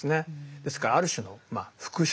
ですからある種のまあ復讐。